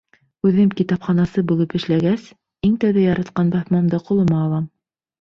Үҙем китапханасы булып эшләгәс, иң тәүҙә яратҡан баҫмамды ҡулыма алам.